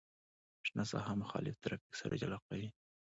شنه ساحه مخالف ترافیک سره جلا کوي